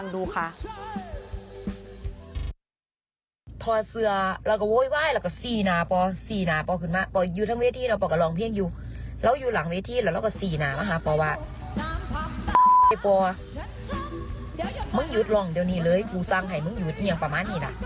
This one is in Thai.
เดี๋ยวคุณผู้ชมลองฟังดูค่ะ